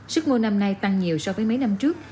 sức mua năm nay tăng nhiều so với mấy năm trước